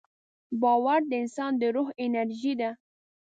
باور د انسان د روح انرژي ده.